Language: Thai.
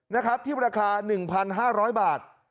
นะครับที่ราคา๑๕๐๐บาท